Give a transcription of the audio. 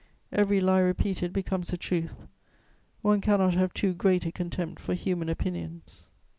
Every lie repeated becomes a truth: one cannot have too great a contempt for human opinions.